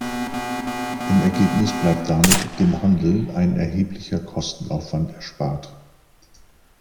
Im Ergebnis bleibt damit dem Handel ein erheblicher Kostenaufwand erspart.